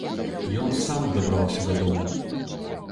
Ён сам дабраўся дадому.